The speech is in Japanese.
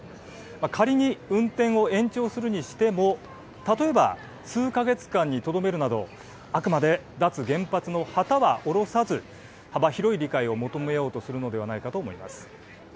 仮に運転を延長するにしても例えば、数か月間にとどめるなどあくまで脱原発の旗は降ろさず幅広い理解を求めようとするのではないかはい。